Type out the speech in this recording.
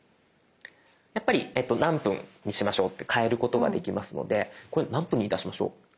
やっぱり何分にしましょうって変えることができますのでこれ何分にいたしましょう？